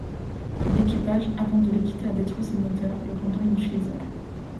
L'équipage, avant de le quitter, a détruit ses moteurs, le rendant inutilisable.